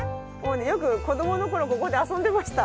よく子供の頃ここで遊んでました。